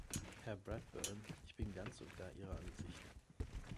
Herr Bradbourn, ich bin ganz und gar Ihrer Ansicht.